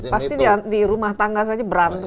pasti di rumah tangga saja berantem